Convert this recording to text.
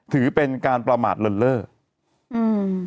ถือเป็นการประมาทเริ่มเล่อ